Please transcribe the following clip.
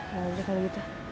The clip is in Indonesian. ya udah kalau gitu